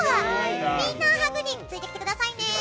みんな、ハグについてきてくださいね。